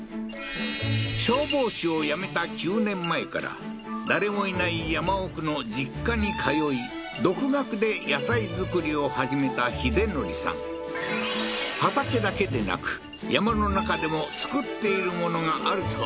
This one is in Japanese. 消防士を辞めた９年前から誰もいない山奥の実家に通い独学で野菜作りを始めた秀憲さん畑だけでなく山の中でも作っている物があるそう